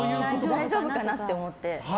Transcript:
大丈夫かなって思って。